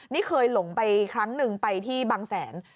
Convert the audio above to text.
นี่เคยหลงไปครั้งหนึ่งไปที่บางแสน